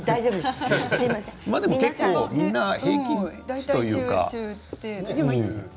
でも、結構みんな平均値というか。